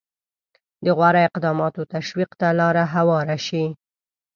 د غوره اقداماتو تشویق ته لاره هواره شي.